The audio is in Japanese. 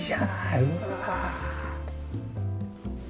うわ。